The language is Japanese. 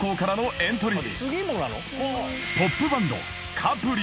ポップバンド